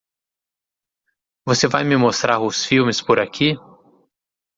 Você vai me mostrar os filmes por aqui?